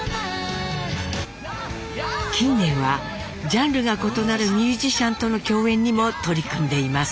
近年はジャンルが異なるミュージシャンとの共演にも取り組んでいます。